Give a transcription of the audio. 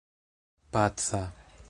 paca